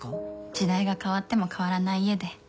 時代が変わっても変わらない家で。